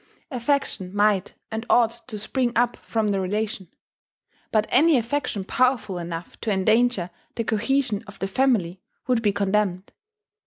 Affection might and ought to spring up from the relation. But any affection powerful enough to endanger the cohesion of the family would be condemned.